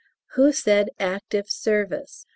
Who said Active Service?